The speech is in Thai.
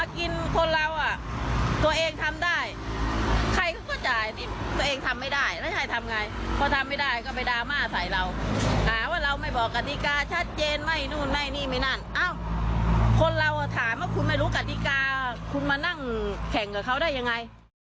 คุณไม่รู้กฎิกาคุณมานั่งแข่งกับเขาได้ยังไง